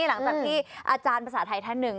หลังจากที่อาจารย์ภาษาไทยท่านหนึ่ง